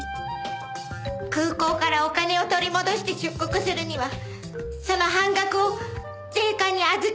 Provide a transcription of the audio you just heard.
空港からお金を取り戻して出国するにはその半額を税関に預けなきゃならないって。